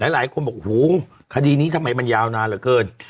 หลายคนบอกหูคดีนี้ทำไมมันยาวนานเหลือเกิน